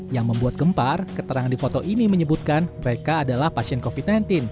yang membuat gempar keterangan di foto ini menyebutkan mereka adalah pasien covid sembilan belas